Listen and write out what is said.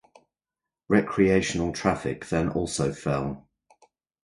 Recreational traffic then also fell.